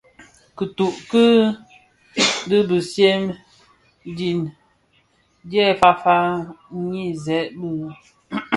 Dhiku di dhibèsèn din dyè faafa nghiesèn bi.